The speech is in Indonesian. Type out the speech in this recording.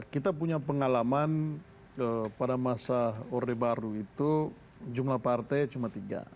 kita punya pengalaman pada masa orde baru itu jumlah partai cuma tiga